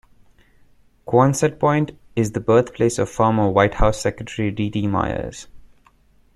Quonset Point is the birthplace of former White House Secretary Dee Dee Myers.